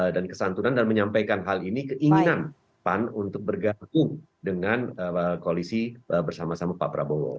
dan kesantunan dan menyampaikan hal ini keinginan pan untuk bergabung dengan koalisi bersama sama pak prabowo